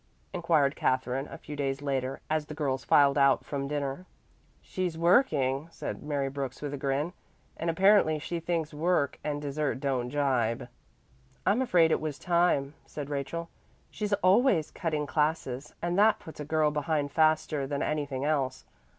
inquired Katherine, a few days later, as the girls filed out from dinner. "She's working," said Mary Brooks with a grin. "And apparently she thinks work and dessert don't jibe." "I'm afraid it was time," said Rachel. "She's always cutting classes, and that puts a girl behind faster than anything else.